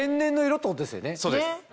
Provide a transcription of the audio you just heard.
そうです。